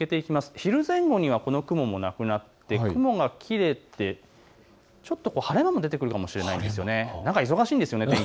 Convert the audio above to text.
昼前後には雲がなくなって雲が切れてちょっと晴れ間も出てくるかもしれないんです。